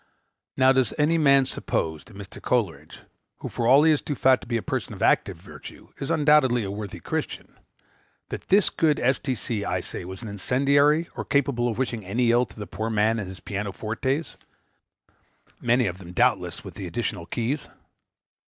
Now, does any man suppose that Mr. Coleridge, who, for all he is too fat to be a person of active virtue, is undoubtedly a worthy Christian, that this good S. T. C., I say, was an incendiary, or capable of wishing any ill to the poor man and his piano fortes (many of them, doubtless, with the additional keys)?